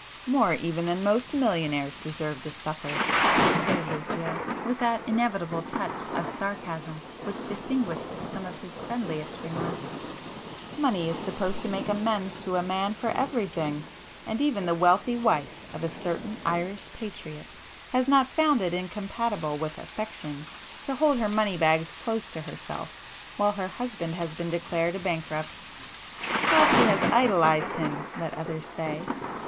"More even than most millionaires deserve to suffer!" declared Lucio, with that inevitable touch of sarcasm which distinguished some of his friendliest remarks—"Money is supposed to make amends to a man for everything,—and even the wealthy wife of a certain Irish 'patriot' has not found it incompatible with affection to hold her moneybags close to herself while her husband has been declared a bankrupt. How she has 'idolized' him, let others say!